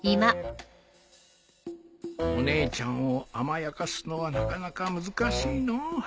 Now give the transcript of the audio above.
お姉ちゃんを甘やかすのはなかなか難しいのお